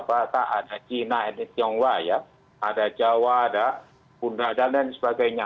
ada china ada jawa ada bunda dan lain sebagainya